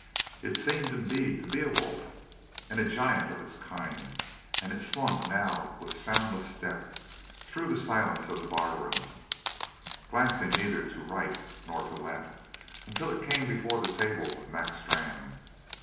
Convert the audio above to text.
It seemed, indeed, to be a wolf, and a giant of its kind, and it slunk now with soundless step through the silence of the barroom, glancing neither to right nor to left, until it came before the table of Mac Strann.